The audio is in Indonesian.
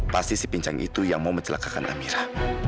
pasti si pinjang itu yang mau mencelakakan amira